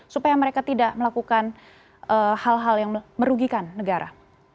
supaya mereka tidak melakukan hal hal yang merugikan negara